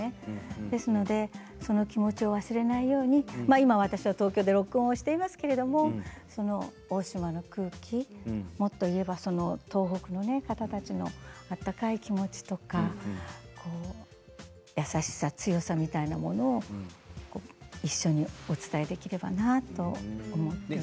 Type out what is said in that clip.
ですので、その気持ちを忘れないように今私は東京で録音していますけれどもその大島の空気、もっといえば東北の方たちの温かい気持ちとか優しさ、強さみたいなものを一緒にお伝えできればなと思ってます。